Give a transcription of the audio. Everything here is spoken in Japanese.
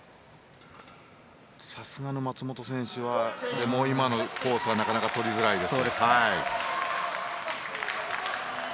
さすがの松本選手もとても今のコースはなかなかとりづらいです。